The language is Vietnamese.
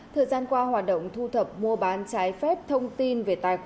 thời gian qua hoạt động thu thập mua bán trái phép thông tin